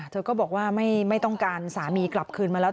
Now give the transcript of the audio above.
เธอก็บอกว่าไม่ต้องการสามีกลับคืนมาแล้ว